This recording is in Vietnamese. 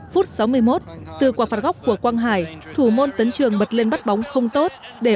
phút sáu mươi một từ quả phạt góc của quang hải thủ môn tấn trường bật lên bắt bóng không tốt để